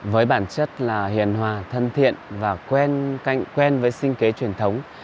với bản chất là hiền hòa thân thiện và quen canh với sinh kế truyền thống